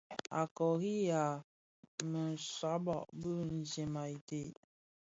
A kôriha më sàbà bi jèm i tsee.